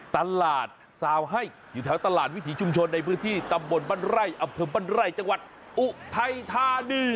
ตลาดสาวให้อยู่แถวตลาดวิถีชุมชนในพื้นที่ตำบลบันไร่อับถึงบันไร่จังหวัดอุไทยทานี